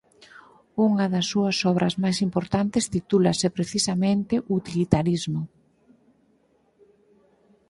Unha das súas obras máis importantes titúlase precisamente "Utilitarismo".